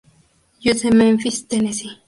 Jude en Memphis, Tennessee.